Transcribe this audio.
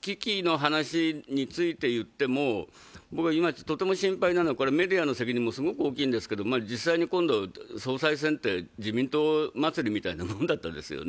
危機の話について言っても、今とても心配なのはメディアの責任もすごく大きいんですけど、実際に今度、総裁選って自民党祭りみたいなもんだったですよね。